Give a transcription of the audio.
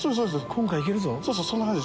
今回行けるぞ。